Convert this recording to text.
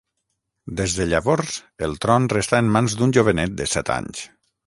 Des de llavors, el tron restà en mans d'un jovenet de set anys.